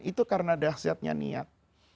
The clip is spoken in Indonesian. itu karena dasyatnya niat